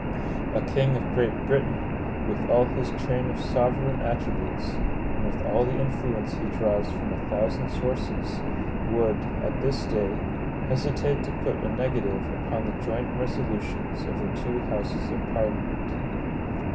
A king of Great Britain, with all his train of sovereign attributes, and with all the influence he draws from a thousand sources, would, at this day, hesitate to put a negative upon the joint resolutions of the two houses of Parliament.